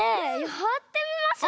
やってみましょう。